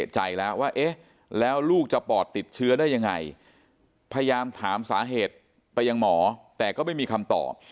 เชื้อได้ยังไงพยายามถามสาเหตุไปยังหมอแต่ก็ไม่มีคำตอบ